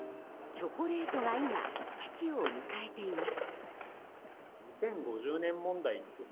チョコレートが今危機を迎えています。